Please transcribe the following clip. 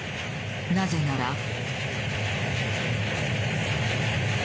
なぜなら。